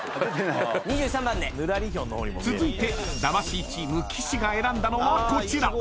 ［続いて魂チーム岸が選んだのはこちら］